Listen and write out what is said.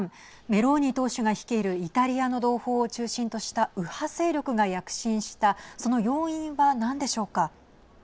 メローニ党首が率いるイタリアの同胞を中心とした右派勢力が躍進したその要因は何でしょうか。